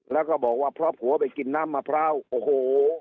แล้วก็บอกว่าเพราะผัวไปกินน้ำมะพร้าวโอ้โห